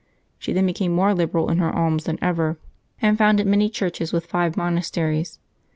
She then became more liberal in her alms than ever, and founded many churches, with five monasteries.